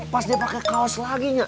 pas dia pake kaos lagi ya